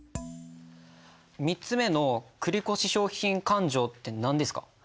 ３つ目の繰越商品勘定って何ですか？